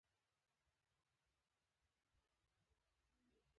زه د یوې ورځې کار لیکم.